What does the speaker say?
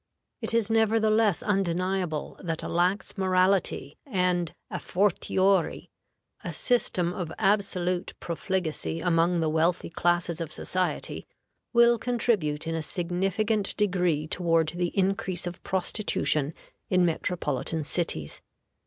It is nevertheless undeniable that a lax morality, and, à fortiori, a system of absolute profligacy among the wealthy classes of society, will contribute in a significant degree toward the increase of prostitution in metropolitan cities.